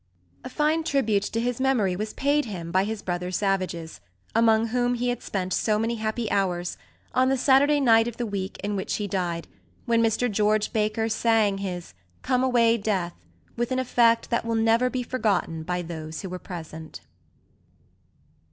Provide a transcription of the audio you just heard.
A fine tribute to his memory was paid him by his brother Savages among whom he had spent so many happy hours on the Saturday night of the week in which he died, when Mr George Baker sang his "Come away, Death" with an effect that will never be forgotten by those who were present.